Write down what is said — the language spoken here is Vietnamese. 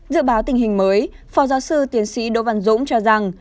dự báo tình hình mới phó giáo sư tiến sĩ đỗ văn dũng cho rằng